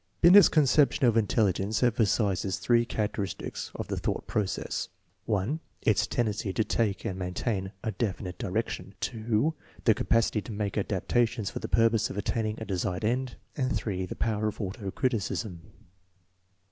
Binet's conception of intelligence emphasizes three char acteristics of the thought process: (1) Its tendency to take and maintain a definite direction; () the capacity to make adaptations for the purpose of attaining a desired end; and (8) the power of auto criticism.